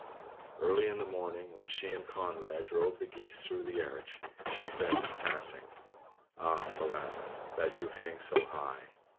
Early in the morning, when she and Conrad drove the geese through the arch, she said in passing: "Ah, Falada, that you hang so high!"